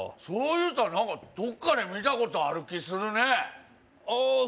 そういうたら何かどっかで見たことある気するねああ